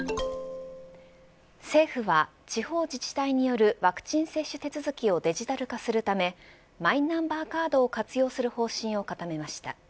政府は地方自治体によるワクチン接種手続きをデジタル化するためマイナンバーカードを活用する方針を固めました。